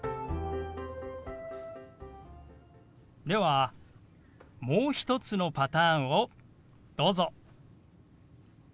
ではもう一つのパターンをどうぞ。